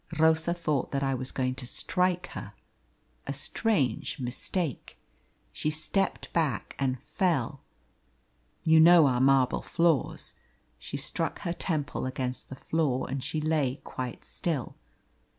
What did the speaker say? Rosa thought that I was going to strike her a strange mistake. She stepped back and fell. You know our marble floors. She struck her temple against the floor, and she lay quite still.